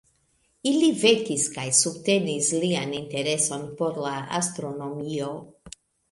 Ili vekis kaj subtenis lian intereson por la astronomio.